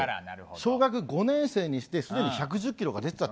小学５年生にして、すでに１１０キロが出てたと。